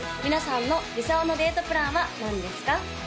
皆さんの理想のデートプランは何ですか？